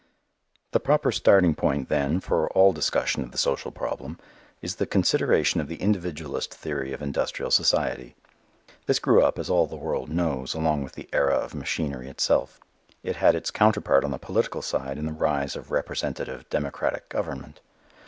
The proper starting point, then, for all discussion of the social problem is the consideration of the individualist theory of industrial society. This grew up, as all the world knows, along with the era of machinery itself. It had its counterpart on the political side in the rise of representative democratic government.